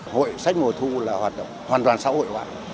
hội sách mùa thu là hoàn toàn xã hội hoạt động